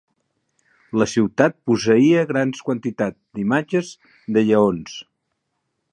La ciutat posseïa gran quantitat d'imatges de lleons.